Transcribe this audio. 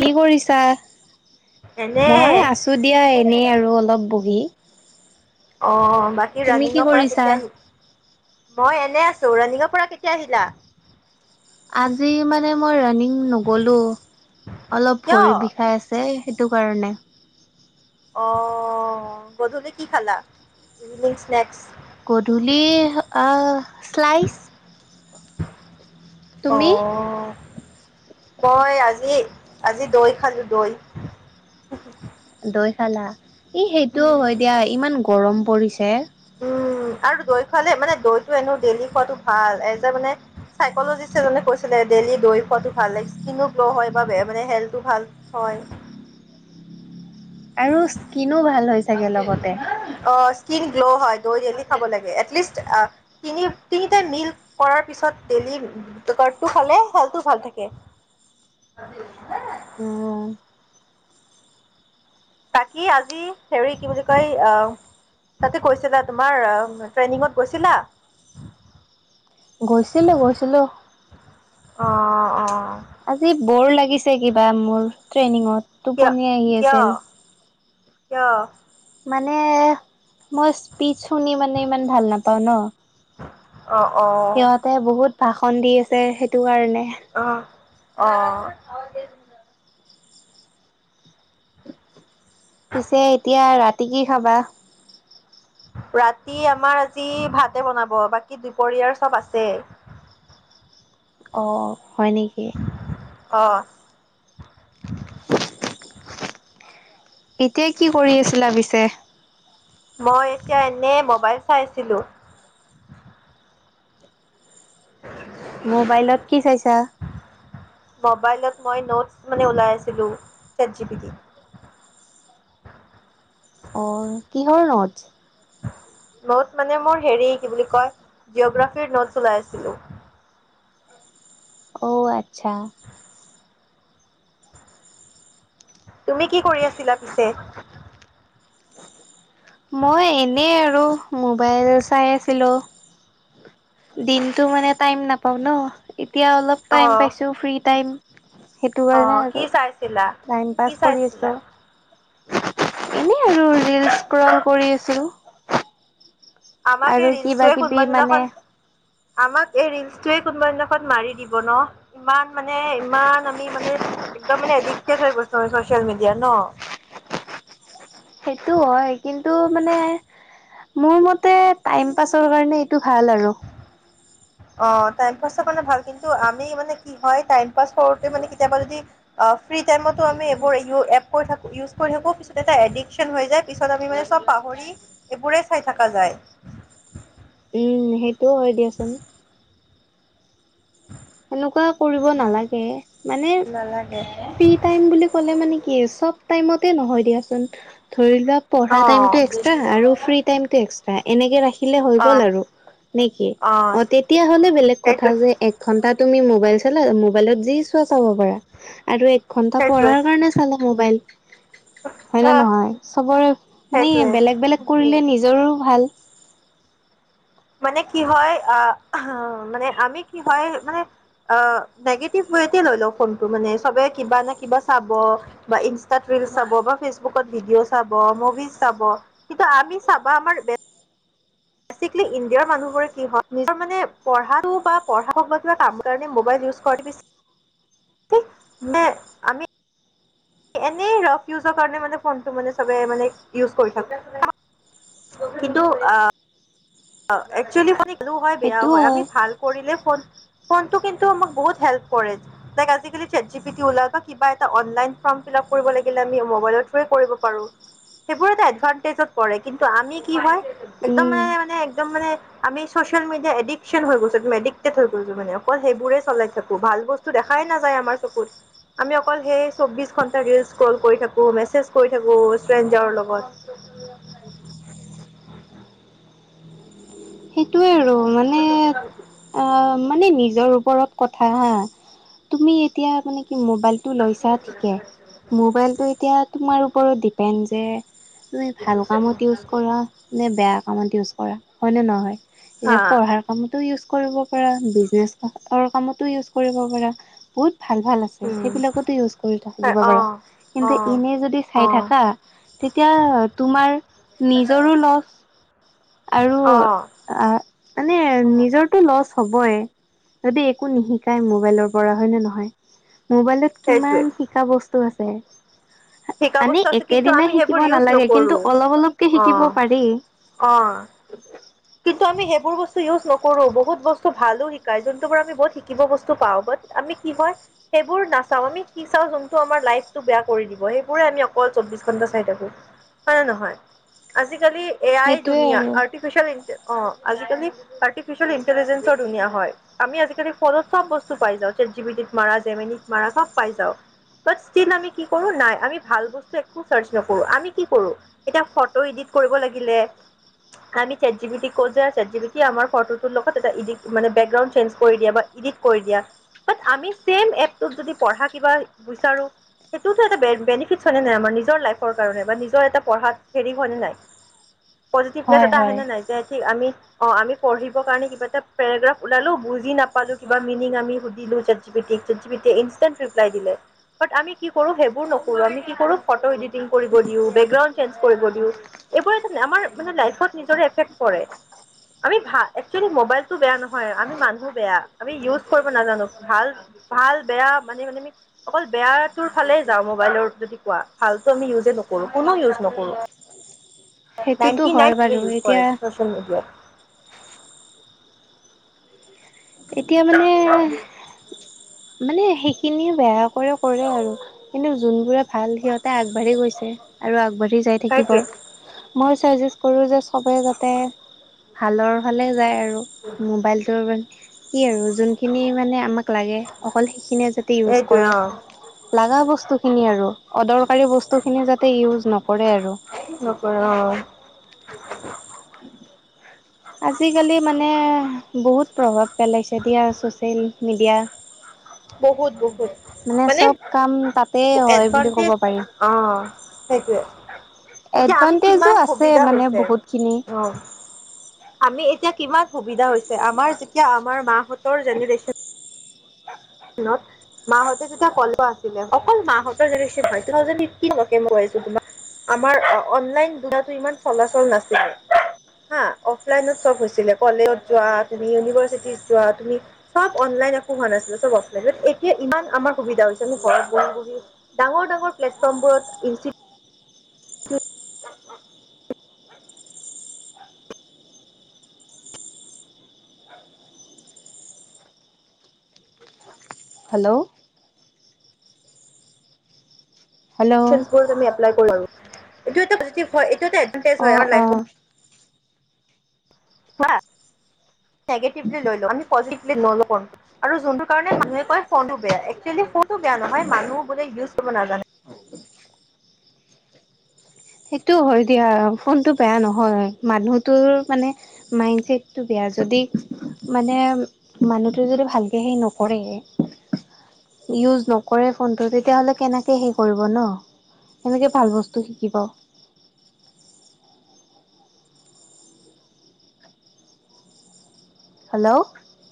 কি কৰিছা? এনে মই আছো দিয়া এনেই আৰু অলপ বহি। অঁ বাকী তুমি কি ৰানিঙৰ পৰা কৰিছা? কেতিয়া আহি মই এনে আছো, ৰাণিঙৰ পৰা কেতিয়া আহিলা? আজি মানে মই ৰানিং নগলো, অলপ কিয় ভৰি বিষাই আছ যে সেইটো কাৰণে। অ গধূলি কি খালা? Evening snacks. গধূলি আহ শ্লাইচ। অ তুমি? মই আজি আজি দৈ খালো দৈ। দৈ খালা, ই সেইটোও হয় দিয়া ইমান গৰম পৰিছে। উম আৰু দৈ খালে, মানে দৈটো এনো ডেইলি খোৱাটো ভাল এজ এ মানে চাইকজিষ্ট এজনে কৈছিলে ডেইলি দৈ খোৱাটো ভালে স্কিনো গ্ল' হয় বা মানে হেল্থো ভাল হয়। আৰু স্কিনো ভাল হয়। অ', স্কিন গ্ল হয়, দৈ ডেইলী খাব লাগে, এটলিষ্ট তিনি তিনিটাই মিল কৰাৰ পিছত দেইলি [unintelligible] টো খালে খেলটো ভাল থাকে। উম, বাকী আজি হেউৰি কি বুলি কয় আহ তাতে গৈছিলা তোমাৰ ট্ৰেইনিঙত গৈছিলা? গৈছিলো গৈছিলোঁ। অ', অ'। আজি বৰ লাগিছে কিবা মোৰ ট্ৰেইনিঙত। কিয়, টোপনি আহি কিয়, আছিল। কিয়? মানে মই স্পীচ শুনি মানে ইমান ভাল নাপাওঁ ন'! অ', অ'। তে বহুত ভাষণ দি আছে সেইটো কাৰণে। অ', অ'। পিছে এতিয়া ৰাতি কি খাবা? ৰাতি আমাৰ আজি ভাতে বনাব বাকী দুপৰীয়াৰ চব আছে। অ', হয় নেকি? অ'। এতিয়া কি কৰি আছিলা পিছে? মই এতিয়া এনেই মোবাইল চাই আছিলোঁ। মোবাইলত কি চাইছা? ম'বাইলত মই নোটছ মানে ওলাই আছিলোঁ, ছেট জি পি তিত। অ', কিহৰ নোটচ? নোট মানে মোৰ হেৰি কি বুলি কয়, জিঅগ্ৰাফিৰ নোট ওলাই আছিলো। অ', আচ্ছা। তুমি কি কৰি আছিলা পিছে? মই এনেই আৰু মোবাইল চাই আছিলো। দিনটো মানে টাইম নাপাওঁ ন' এতিয়া অলপ অ টাইম পাইছোঁ ফ্ৰী টাইম। সেইটো অ কাৰণে, কি আৰু চাইছিলা টাইম কি পাছ কৰি চাইছিলা আছোঁ। এনেই আৰু ৰিলচ ক্ৰোল কৰি আছিলো। আমাক এই কিবা ৰিলচটোৱে কিবি কোনোবা মানে দিনাখন আমাক এই ৰিলচটোৱে কোনোবা দিনাখন মাৰি দিব ন' ইমান মানে ইমান আমি মানে একদম মানে এদিকটেদ হৈ গৈছো আমি চ'চিয়েল মিডিয়াত ন'! সেইটো হয়, কিন্তু মানে মোৰ মতে টাইম পাছৰ কাৰণে, এইটো ভাল আৰু। [inaudible] অ', টাইম পাছ কাৰনে ভাল। কিন্তু, আমি মানে কি হয়, টাইম পাছ কৰোতে মানে কেতিয়াবা যদি অ', ফ্ৰী টাইমোটো আমি এইবোৰ এ কৰি থাকো ইউজ কৰি থাকো, পিছত এটা এডিক্যন হৈ যায়। পিছত আমি মানে চব পাহৰি এইবোৰে চাই থকা যায়। উম, সেইটোও হয়, দিয়াচোন। এনেকুৱা কৰিব নালাগে মানে, নালাগে ফ্ৰি টাইম বুলি ক'লে মানে কি চব টাইমতে নহয়, দিয়াচোন ধৰি লোৱা পঢ়া অ', টাইমটো এক্সট্ৰা আৰু ফ্ৰী টাইমটো এক্সট্ৰা এনেকে ৰাখিলে হৈ অ', গ'ল আৰু। নে কি অ', তেতিয়া হ'লে বেলেগ কথা সেইটোৱে যে ঘণ্টা তুমি মোবাইল চালা মোবাইলত যি চোৱা চাব পাৰা, আৰু এক ঘণ্টা সেইটোৱে পঢ়াৰ কাৰণে চালে মোবাইল হয় নে অ', নহয়? চবৰে সেইটোৱে মানে বেলেগ বেলেগ কৰিলে নিজৰো ভাল। মানে কি হয়, আহ, মানে আমি কি হয়, মানে অ, নিগেটিভ ৱেতে লৈ লও ফোনটো। মানে চবে কিবা নহয় কিবা চাব। বা ইনষ্টাত ৰিলচ চাব বা ফেচবুকত ভিডিঅ' চাব, মুভিজ চাব। কিন্তু আমি চাবা আমাৰ বে বেচিকেলি ইণ্ডিয়াৰ মানুহবোৰে কি হয়, নিজৰ মানে পঢ়াটো বা পঢ়া হওক বা কিবা কাম কাৰণে মবাইল ইউজ কৰা [unintelligible] এনেই ৰাফ ইউজৰ কাৰণে মানে ফোনটো মানে চবে মানে ইউজ কৰি থাকো। কিন্তু অ অ, একচুৱেলি মানে ভালো হয়, বেয়াও হয়। আমি ভাল কৰিলে ফোন ফোন টো কিন্তু আমাক বহুত হেল্প কৰে। আজিকালি ছেট জি পি তি ওলাল বা কিবা এটি অনলাইন ফৰ্ম ফিলাপ কৰিব লাগিলে আমি মোবাইলৰ থ্ৰোৰে কৰিব পাৰো। সেইবোৰ এটা এডভানটেজত পৰে। কিন্তু আমি কি হয়, একদম উম মানে- মানে একদম মানে আমি ছচিয়েল মিডিয়া এডিকশ্যন হৈ গৈছোঁ, এডিকটেড হৈ গৈছোঁ। মানে অকল সেইবোৰে চলাই থাকো ভাল বস্তু টো দেখাই নাযায় আমাৰ চকুত। আমি অকল সেই চৌবিশ ঘন্টা ৰিলচ কল কৰি থাকো, মেছেজ কৰি থাকো, ষ্ট্ৰেঞ্জাৰৰ লগত। সেইটোৱে আৰু মানে [inaudible] অ মানে নিজৰ ওপৰত কথা হা। তুমি এতিয়া মানে কি মবাইল মবাইলটো লৈছা ঠিকেই, মবাইলটো এতিয়া তোমাৰ ওপৰত দেপেণ্ড যে তুমি ভাল কামত ইউজ কৰা, নে বেয়া কামত ইউজ কৰা, হয়নে নহয়? হা এতিয়া পঢ়াৰ কামতো ইউজ কৰিব পাৰা, বিজনেছ কামতো ইউজ কৰিব পাৰা, বহুত ভাল- ভাল আছে। উম সেইবিলাকতো ইউজ কৰি থাকিব পাৰা। অ', কিন্তু অ', এনে যদি চাই অ', থাকা তেতিয়া তোমাৰ নিজৰো লছ, আৰু অ', অ, মানে নিজৰটো লছ হবই। যদি একো নিশিকাই মোবাইলৰ পৰা হয় নে নহয়? মোবাইলত সেইটোৱে কিমান শিকা বস্তু আছে। শিকা আমি বস্তু আছে কিন্তু আমি একেদিনাই সেইবোৰ শিকিব ইউজ নালাগে, নকৰো কিন্তু অলপ অলপকে শিকিব পাৰি। অঁ। কিন্তু আমি সেইবোৰ বস্তু ইউজ নকৰো। বহুত বস্তু ভালো শিকাই যোনটো পৰা আমি বহুত শিকিব বস্তু পাওঁ। বাত আমি কি হয় সেইবোৰ নাচাওঁ, আমি কি চাওঁ যোন আমাৰ লাইফটো বেয়া কৰি দিব, সেইবোৰে আমি চৌব্বিশ ঘণ্টা অকল চাই থাকো। হয়নে নহয়? আজিকালি এ আই সেইটোৱে দুুনীয়া আৰু। আৰ্টিফিচিয়েল অ, আজিকালি আৰ্টিফিচিয়েল ইণ্টেলিজেন্ঞ্চৰ ধুনীয়া হয়। আমি আজিকালি ফোনত চব বস্তু পাই যাওঁ, চাট জি পি টিত মাৰা জেমেনিত মাৰা চব পাই যাওঁ। বাত ষ্টিল আমি কি কৰো নাই, আমি ভাল বস্তু একো চাৰ্চ নকৰো। আমি কি কৰো এতিয়া ফটো এডিট কৰিব লাগিলে, আমি chat G P T cause আছে, চাট জিপিটি আমাৰ ফটোৰ লগত এটা মানে বেকগ্ৰাণ্ড চেঞ্জ কৰি দিয়া বা ইডিট কৰি দিয়া বাত আমি চেম এপত যদি পঢ়া কিবা বিচাৰো। সেইটোতো এটা বেনিফিটছ হয় নে নাই, আমাৰ নিজৰ লাইফৰ কাৰণে বা নিজৰ এটা পঢ়াত হেৰি হয় নে নাই। পজিটিভনেছ হয় এটা আহে হয় নে নাই? যে ঠিক আমি অ, আমি পঢ়িব কাৰণে, কিবা এটা পেগ্ৰাফ ওলালো, বুজি নাপালো, কিবা মিনিং আমি সুধিলো। যে চাট জি পি টি য়ে ইনষ্টাণ্ড ৰিপ্লাই দিলে। বাট আমি কি কৰো, সেইবোৰ নকৰো, আমি কি কৰো ফটো এডিটিং কৰিব দিওঁ, বেকগ্ৰাউণ্ড চেঞ্জ কৰিব দিওঁ। এইবোৰে আমাৰ মানে লাইফত নিজৰে এফেক্ট কৰে। আমি ভা একচুৱেলি মোবাইলতটো বেয়া নহয় আমি মানুহো বেয়া আমি ইউজ কৰিব নাজানো ভাল ভাল বেয়া মানে মানে অকল বেয়া তটোৰ ফালে যাওঁ মোবাইলৰ যদি কোৱা ভালতো আমি ইউজে নকৰো কোনো ইউজ নকৰো সেইটোতো নাইনটি হয় নাইন বাৰু ইউজ এতিয়া কৰে সচিয়েল মিডিয়াত এতিয়া মানে মানে সেইখিনি বেয়া কৰে কৰে আৰু কিন্তু যোনবোৰে ভাল সিহঁতে আগবাঢ়ি গৈছে আৰু আগবাঢ়ি যায় থাকিব সেইটোৱে। মই ছাজেষ্ট কৰোঁ যে চবেই যাতে হালৰ ফালে যায় আৰু আৰু মোবাইলটোৰ কি আৰু যোনখিনি মানে আমাক লাগে অকল সেইখিনিয়ে যদি ইউজ সেইটোৱে কৰে অ', লগা বস্তুখিনি আৰু অদৰকাৰী বস্তুখিনি যাতে ইউজ নকৰে আৰু নকৰে অ [unintelligible] আজিকালি মানে বহুত প্ৰভাৱ পেলাইছে দিয়া ছ'চিয়েল মিডিয়া বহুত বহুত মানে চব কাম তাতে হয় বুলি ক'ব এডভানটেজ পাৰি। অ সেইটোৱে এতিয়া আমি এডভানটেজো কিমান আছে সুবিধা মানে হৈছে বহুতখিনি। আহ আমি এতিয়া কিমান সুবিধা হৈছে আমাৰ যেতিয়া আমাৰ মাহঁতৰ জেনেৰে্যন নত মাহঁতে তেতিয়া কল আছিলে অকল মাহঁৰ জনেন হয় তু থাউজেণ্ড এইটীণ লৈকে কইছো ম‌ই তোমাক আমাৰ অনলাইন দুৰাটো ইমান চলাচল নাছিলে হা অফলাইনত চব হৈছিলে কলেজত যোৱা তুমি ইউনিভাৰ্চিটিত যোৱা তুমি চব অনলাইন একো হোৱা নাছিলে চব অফলাইন এতিয়া ইমান আমাৰ সুবিধা হৈছে আমি ঘৰত বহি বহি ডাঙৰ ডাঙৰ প্লেটফৰ্ম বোৰত ইজি [unintelligible] হেল্ল' হেল্ল' বোৰত আমি এপ্লাই কৰিব পাৰো এইটো এটা পজিটিভ হয় এইটো এটা এডভাণ্টেজ হয় অ', আমাৰ অ'। লাইফত হা নগেটিভলি লৈ লওঁ আমি পজিটিভলি নলও আৰু যোনটো কাৰণে মানুহে কয় ফোনটো বেয়া একচুৱেলি ফোন টো বেয়া নহয় মানুহ বোৰে ইউজ কৰিব নাজানে সেইটো হয় দিয়া ফোনটো বেয়া নহয় মানুহটোৰ মানে মাইণ্ডছেটটো বেয়া যদি মানে মানুহটো যদি ভালকে সেই নকৰে ইউজ নকৰে ফোনটো তেতিয়া হ'লে কেনেকৈ হেই কৰিব ন সেনেকে ভাল বস্তু শিকিব হেল্ল'